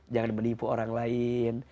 jangan menipu orang lain